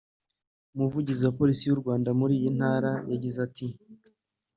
Umuvugizi wa Polisi y’u Rwanda muri iyi Ntara yagize ati